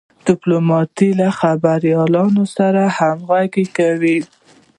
ډيپلومات له خبریالانو سره همږغي کوي.